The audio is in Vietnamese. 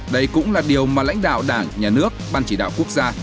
đây cũng là điều mà lãnh đạo đảng nhà nước ban chỉ đạo quốc gia